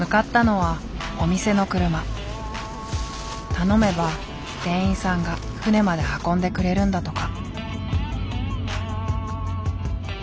頼めば店員さんが船まで運んでくれるんだとか。